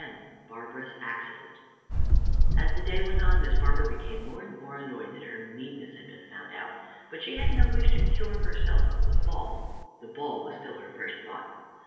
X BARBARA'S ACCIDENT As the day went on, Miss Barbara became more and more annoyed that her meanness had been found out, but she had no wish to cure herself of the fault. The ball was still her first thought.